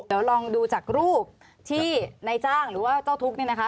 เดี๋ยวลองดูจากรูปที่ในจ้างหรือว่าเจ้าทุกข์เนี่ยนะคะ